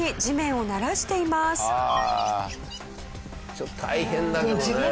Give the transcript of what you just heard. ちょっと大変だけどね。